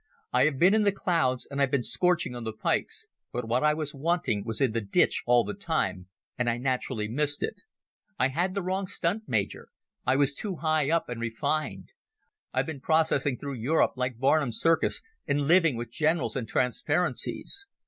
I have been in the clouds and I've been scorching on the pikes, but what I was wanting was in the ditch all the time, and I naturally missed it ... I had the wrong stunt, Major. I was too high up and refined. I've been processing through Europe like Barnum's Circus, and living with generals and transparencies.